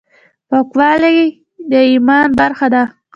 پاکوالي د ايمان برخه ده.